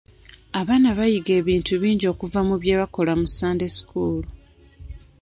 Abaana bayiga ebintu bingi okuva mu bye bakola mu Sunday school.